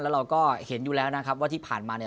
แล้วเราก็เห็นอยู่แล้วนะครับว่าที่ผ่านมาเนี่ย